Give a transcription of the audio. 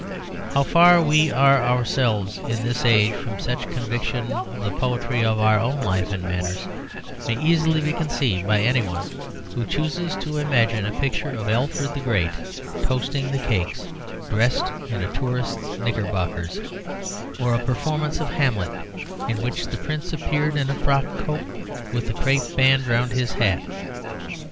How far we are ourselves in this age from such conviction of the poetry of our own life and manners may easily be conceived by anyone who chooses to imagine a picture of Alfred the Great toasting the cakes dressed in tourist's knickerbockers, or a performance of 'Hamlet' in which the Prince appeared in a frock coat, with a crape band round his hat.